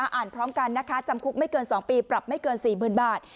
พร้อมกันนะคะจำคุกไม่เกิน๒ปีปรับไม่เกิน๔๐๐๐บาท